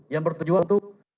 yang bertujuan untuk